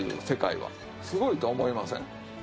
世界はスゴいと思いません？